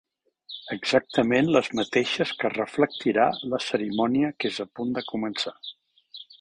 Exactament les mateixes que reflectirà la cerimònia que és a punt de començar.